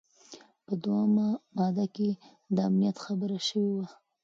په دوهمه ماده کي د امنیت خبره شوې وه.